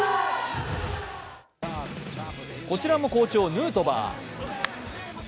こちらも好調、ヌートバー。